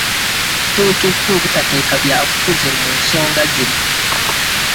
Tuteekeddwa obutateeka byabufuzi mu nsonga zino.